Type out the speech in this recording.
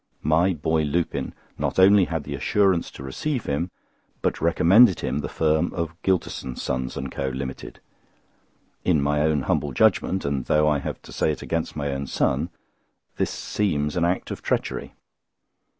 My boy Lupin not only had the assurance to receive him, but recommended him the firm of Gylterson, Sons and Co. Limited. In my own humble judgment, and though I have to say it against my own son, this seems an act of treachery.